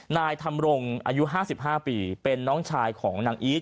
นายธรรมรงอายุ๕๕ปีเป็นน้องชายของนางอีท